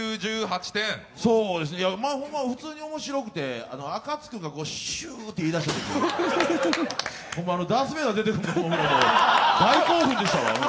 ほんま普通に面白くて、あかつ君がシューって言い出したとこ、ほんまダースベイダー出てくるかと思って大興奮でした。